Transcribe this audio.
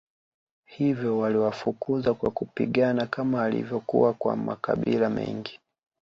Hivyo waliwafukuza kwa kupigana kama ilivyokuwa kwa makabila mengi